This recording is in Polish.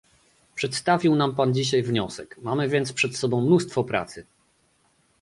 Przedstawił nam Pan dzisiaj wniosek, mamy więc przed sobą mnóstwo pracy